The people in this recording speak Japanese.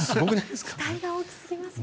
期待が大きすぎますね。